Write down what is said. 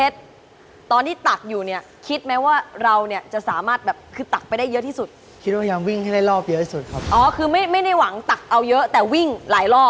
โดนขโมยด้วยค่ะโดนขโมยของด้วย